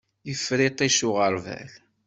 Yeffer iṭij s uɣerbal.